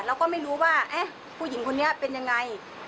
เราก็ไม่รู้ว่าผู้หญิงคนนี้เป็นยังไง